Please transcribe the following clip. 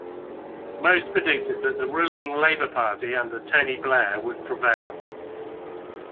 Most predicted that the ruling Labour Party under Tony Blair would prevail.